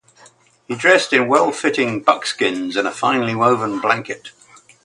He dressed in well-fitting buckskins and a finely woven blanket.